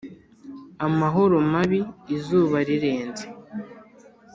amahoro mabi izuba rirenze